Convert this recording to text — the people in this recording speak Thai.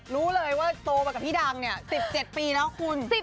รู้เลยว่าโตมากับพี่ดัง๑๗ปีแล้วคุณ